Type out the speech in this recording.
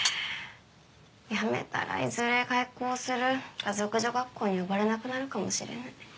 辞めたらいずれ開校する華族女学校に呼ばれなくなるかもしれない。